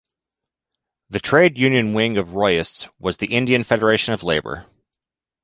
The trade union wing of the Royists was the Indian Federation of Labour.